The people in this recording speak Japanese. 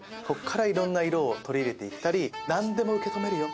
いろんな色を取り入れてたり何でも受け止めるよ。